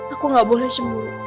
aku gak boleh cemburu